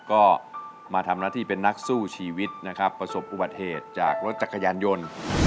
ก็มาทำหน้าที่เป็นนักสู้ชีวิตนะครับประสบอุบัติเหตุจากรถจักรยานยนต์